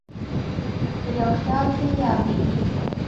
په یو خیال کې یا بې هېڅه،